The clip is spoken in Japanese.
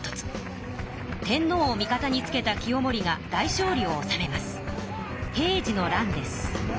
天皇を味方につけた清盛が大勝利をおさめます。